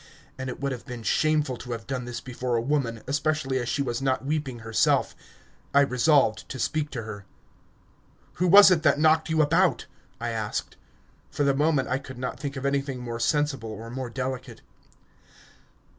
And it would have been shameful to have done this before a woman, especially as she was not weeping herself. I resolved to speak to her. "Who was it that knocked you about?" I asked. For the moment I could not think of anything more sensible or more delicate.